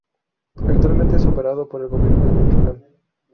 Actualmente es operado por el gobierno de Michoacán.